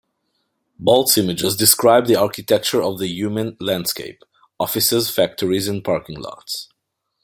Baltz's images describe the architecture of the human landscape: offices, factories and parking lots.